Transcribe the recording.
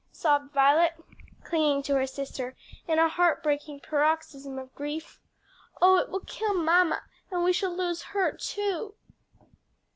sobbed Violet, clinging to her sister in a heart breaking paroxysm of grief. "Oh it will kill mamma, and we shall lose her too!"